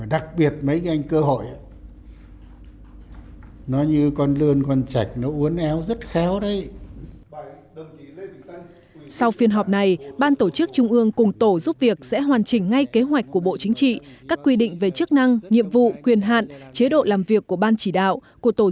đặc biệt là có trình độ hiểu biết về lý luận chính trị và phẩm chất đạo đức tốt